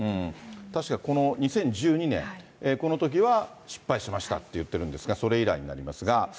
確かにこの２０１２年、このときは失敗しましたって言ってるんですが、それ以来になりますが。